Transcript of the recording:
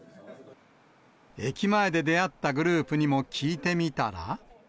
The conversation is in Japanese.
駅前で出会ったグループにも聞いてみたら。